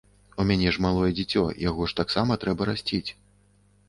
У мяне ж малое дзіцё, яго ж таксама трэба расціць.